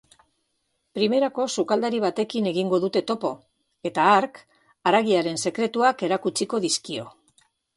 Primerako sukaldari batekin egingo dute topo, eta hark haragiaren sekretuak erakutsiko dizkio.